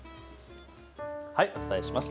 お伝えします。